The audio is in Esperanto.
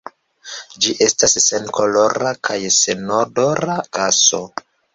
Ĝi estas senkolora kaj senodora gaso.